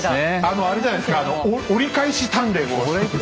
あのあれじゃないですか折り返し鍛錬を。